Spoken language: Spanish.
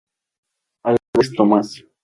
Álvarez Thomas.